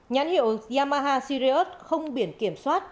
nhán hiệu yamaha sirius không biển kiểm soát